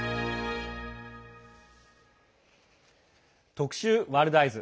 特集「ワールドＥＹＥＳ」。